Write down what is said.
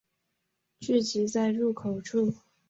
聚集在入口处